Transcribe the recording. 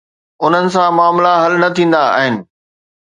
انهن سان معاملا حل نه ٿيندا آهن.